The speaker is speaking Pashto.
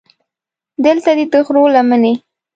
دلته دې د غرو لمنې.